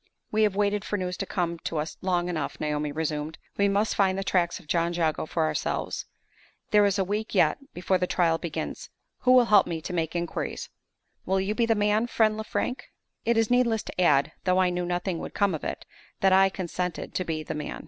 "We have waited for news to come to us long enough," Naomi resumed. "We must find the tracks of John Jago for ourselves. There is a week yet before the trial begins. Who will help me to make inquiries? Will you be the man, friend Lefrank?" It is needless to add (though I knew nothing would come of it) that I consented to be the man.